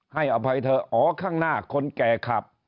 อภัยเถอะอ๋อข้างหน้าคนแก่ขับ